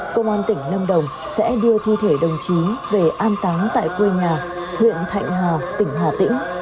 công an tỉnh lâm đồng sẽ đưa thi thể đồng chí về an táng tại quê nhà huyện thạnh hà tỉnh hà tĩnh